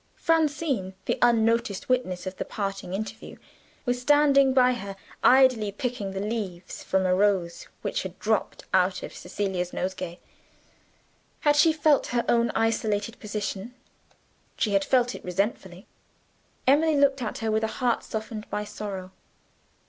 Francine, the unnoticed witness of the parting interview, was standing by her, idly picking the leaves from a rose which had dropped out of Cecilia's nosegay. Had she felt her own isolated position? She had felt it resentfully. Emily looked at her, with a heart softened by sorrow.